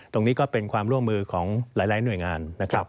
ตรงนี้ก็เป็นความร่วมมือของหลายหน่วยงานนะครับ